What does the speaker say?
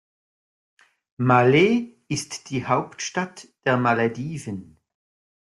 Malé ist die Hauptstadt der Malediven.